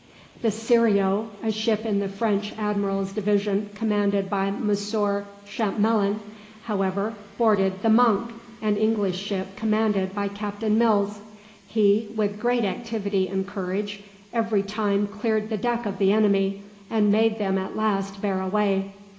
The "Serieux," a ship in the French admiral's division commanded by Monsieur Champmelin, however, boarded the "Monk," an English ship commanded by Captain Mills. He, with great activity and courage, every time cleared the deck of the enemy, and made them at last bear away.